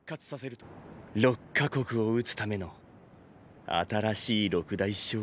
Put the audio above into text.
６か国を討つための新しい６代将軍か。